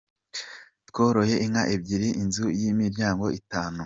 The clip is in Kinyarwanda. Tworoye inka ebyiri, inzu y’imiryango itanu.